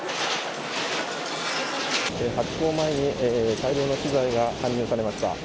ハチ公前に大量の資材が搬入されました。